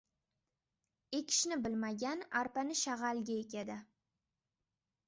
• Ekishni bilmagan arpani shag‘alga ekadi.